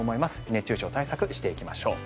熱中症対策していきましょう。